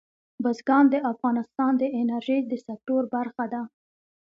بزګان د افغانستان د انرژۍ د سکتور برخه ده.